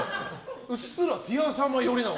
うっすらティア様寄りなの？